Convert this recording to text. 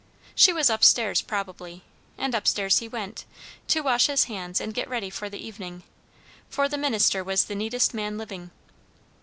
She was up stairs, probably; and up stairs he went, to wash his hands and get ready for the evening; for the minister was the neatest man living.